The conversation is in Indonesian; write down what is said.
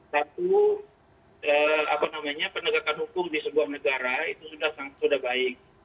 satu apa namanya penegakan hukum di sebuah negara itu sudah sangkut sudah baik